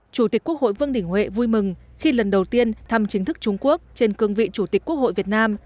chủ tịch quốc hội vương đình huệ vui mừng khi lần đầu tiên thăm chính thức trung quốc trên cương vị chủ tịch quốc hội việt nam